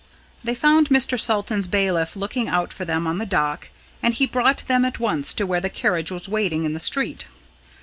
They found Mr. Salton's bailiff looking out for them on the dock, and he brought them at once to where the carriage was waiting in the street.